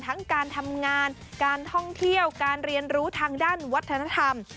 ทั้งการทำงานการท่องเที่ยวการเรียนรู้ทางด้านวัฒนธรรม